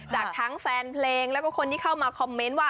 จากทั้งแฟนเพลงแล้วก็คนที่เข้ามาคอมเมนต์ว่า